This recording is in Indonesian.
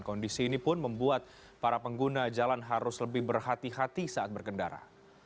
kondisi ini pun membuat para pengguna jalan harus lebih berhati hati saat berkendara